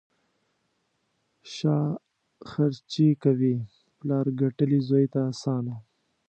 شا خرڅي کوي: پلار ګټلي، زوی ته اسانه.